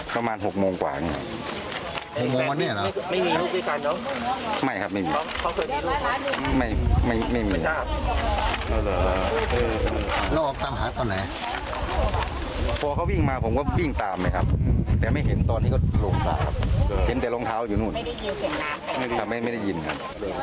แล้วออกตามหาตอนไหนพอเขาวิ่งมาผมก็วิ่งตามเลยครับแต่ไม่เห็นตอนนี้ก็ลงตามครับเห็นแต่รองเท้าอยู่นู้นทำให้ไม่ได้ยินครับ